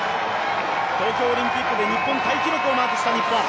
東京オリンピックで日本タイ記録をマークした日本。